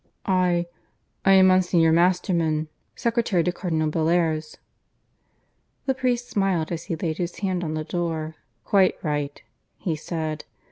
"I. .. I am Monsignor Masterman. .. secretary to Cardinal Bellairs." The priest smiled as he laid his hand on the door. "Quite right," he said.